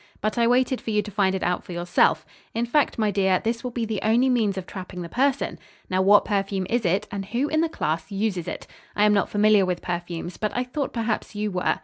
But I waited for you to find it out for yourself. In fact, my dear, this will be the only means of trapping the person. Now, what perfume is it, and who in the class uses it? I am not familiar with perfumes, but I thought perhaps you were.